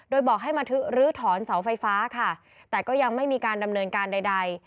โดยบอกให้มาลื้อถอนเสาไฟฟ้าค่ะแต่ก็ยังไม่มีการดำเนินการใด